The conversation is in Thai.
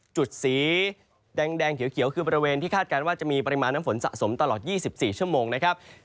จุดสีแดงเขียวคือบริเวณที่คาดการณ์ว่าจะมีปริมาณน้ำฝนสะสมตลอด๒๔ชั่วโมงนะครับ